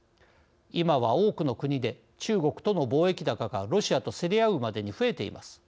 今は多くの国で中国との貿易高がロシアと競り合うまでに増えています。